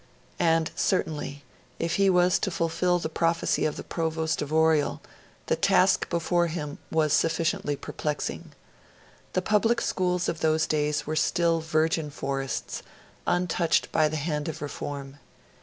And certainly, if he was to fulfil the prophecy of the Provost of Oriel, the task before him was sufficiently perplexing. The public schools of those days were still virgin forests, untouched by the hand of reform.